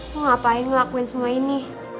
mau ngapain ngelakuin semua ini